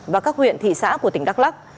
và các huyện thị xã của tỉnh đắk lắk